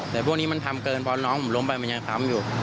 แต่พวกนี้มันทำเกินพอน้องผมล้มไปมันยังค้ำอยู่